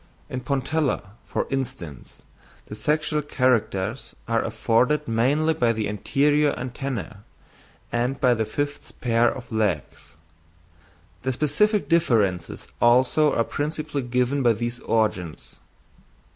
"In Pontella, for instance, the sexual characters are afforded mainly by the anterior antennæ and by the fifth pair of legs: the specific differences also are principally given by these organs."